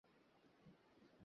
আরে, মিথ্যা বলো না।